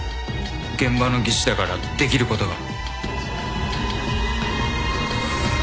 現場の技師だからできることが。